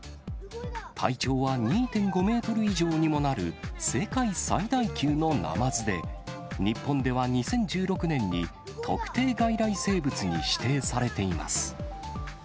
体長は２．５メートル以上にもなる、世界最大級のナマズで、日本では２０１６年に特定外来生物に指定されています。